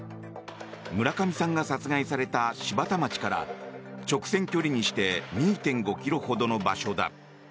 村上さんが殺害された柴田町から直線距離にして２．５ｋｍほどの場所だ。